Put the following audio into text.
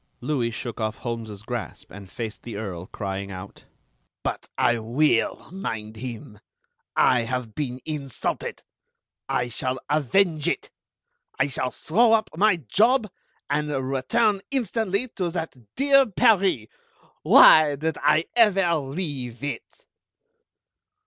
Louis shook off Holmes's grasp, and faced the Earl, crying out: "But I will mind him. I have been insulted. I shall avenge it. I shall throw up my job, and return instantly to that dear Paris! Why did I ever leave it?"